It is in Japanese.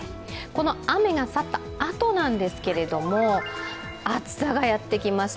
この雨が去ったあとなんですけれども、暑さがやってきます。